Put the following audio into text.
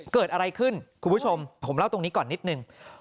เกิดอะไรขึ้นคุณผู้ชมผมเล่าตรงนี้ก่อนนิดนึง